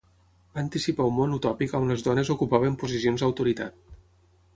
Va anticipar un món utòpic on les dones ocupaven posicions d'autoritat.